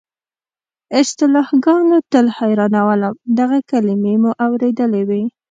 اصطلاحګانو تل حیرانولم، دغه کلیمې مو اورېدلې وې.